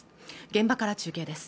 現場から中継です